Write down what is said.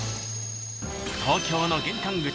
［東京の玄関口］